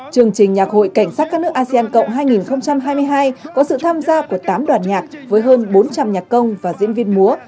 chương trình nhạc hội cảnh sát các nước asean cộng hai nghìn hai mươi hai có sự tham gia của tám đoàn nhạc với hơn bốn trăm linh nhạc công và diễn viên múa